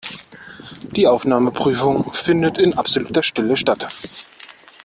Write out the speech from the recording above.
Die Aufnahmeprüfung findet in absoluter Stille statt.